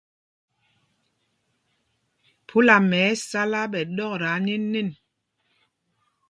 Phúlama ɛ́ sálá ɓɛ̌ ɗɔkta anēnēn.